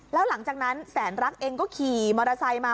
แล้วหลังจากนั้นแสนรักเองก็ขี่มอเตอร์ไซค์มา